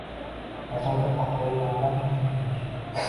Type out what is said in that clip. Nazokat haqidagi gaplar kimga kerak?